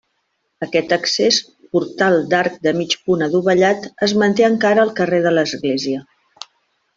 Aquest accés, portal d'arc de mig punt adovellat, es manté encara al carrer de l'Església.